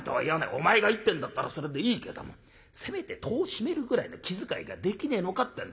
お前がいいってんだったらそれでいいけどもせめて戸を閉めるぐらいの気遣いができねえのかってんだよ。